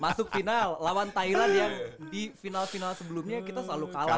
masuk final lawan thailand yang di final final sebelumnya kita selalu kalah